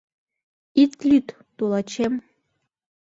— Ит лӱд, тулачем.